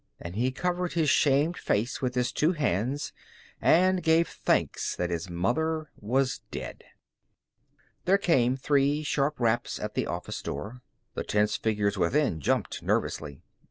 And he covered his shamed face with his two hands and gave thanks that his mother was dead. There came three sharp raps at the office door. The tense figures within jumped nervously.